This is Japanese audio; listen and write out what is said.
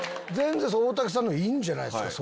大竹さんいいんじゃないですか？